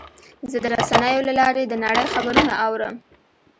زه د رسنیو له لارې د نړۍ خبرونه اورم.